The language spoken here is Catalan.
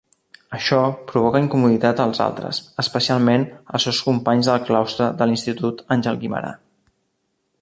Això provoca incomoditat als altres, especialment als seus companys del claustre de l'institut Àngel Guimerà.